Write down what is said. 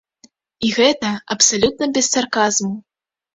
І гэта абсалютна без сарказму.